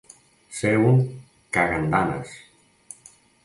Ser un cagandanes.